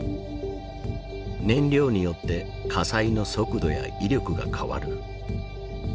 燃料によって火災の速度や威力が変わる。